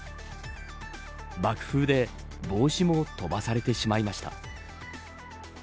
爆風で帽子も飛ばされてしまいました。